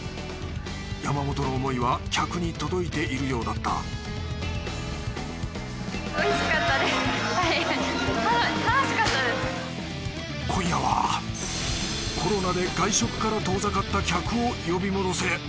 山本の思いは客に届いているようだった今夜はコロナで外食から遠ざかった客を呼び戻せ！